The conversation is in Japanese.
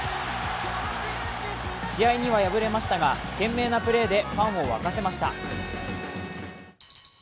試合には敗れましたが懸命なプレーでファンを沸かせました。